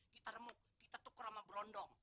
kita remuk kita tuku sama berondong